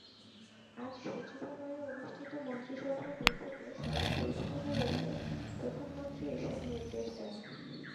আজ সচিবালয়ে অনুষ্ঠিত মন্ত্রিসভার বৈঠকে সড়ক দুর্ঘটনা রোধে প্রধানমন্ত্রী এসব নির্দেশ দেন।